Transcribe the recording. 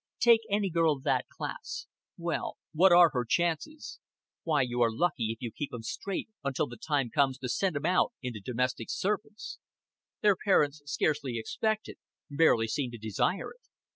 Take any girl of that class well, what are her chances? Why, you are lucky if you keep 'em straight until the time comes to send 'em out into domestic service; their parents scarcely expect it, barely seem to desire it.